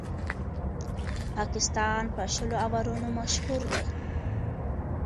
پاکستان په شلو اورونو مشهور دئ.